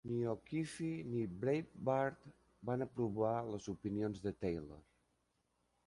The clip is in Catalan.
Ni O'Keefe ni Breitbart van aprovar les opinions de Taylor.